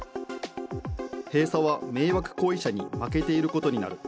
閉鎖は迷惑行為者に負けていることになる。